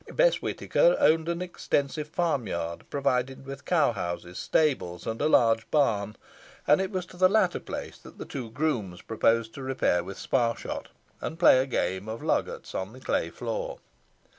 Bess Whitaker owned an extensive farm yard, provided with cow houses, stables, and a large barn; and it was to the latter place that the two grooms proposed to repair with Sparshot and play a game at loggats on the clay floor.